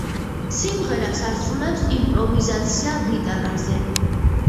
სიმღერას ასრულებს იმპროვიზაცია გიტარაზე.